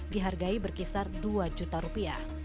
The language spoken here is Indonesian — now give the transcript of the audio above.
dihargai berkisar dua juta rupiah